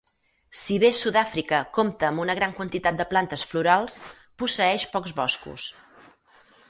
Si bé Sud-àfrica compta amb una gran quantitat de plantes florals, posseeix pocs boscos.